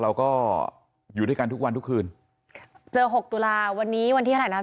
เราก็อยู่ด้วยกันทุกวันทุกคืนเจอหกตุลาวันนี้วันที่เท่าไหร่นะ